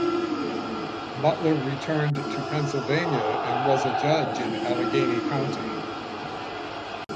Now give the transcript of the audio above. Butler returned to Pennsylvania, and was a judge in Allegheny County.